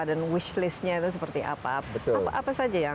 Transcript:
dan wish listnya itu seperti apa